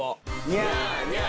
ニャーニャー。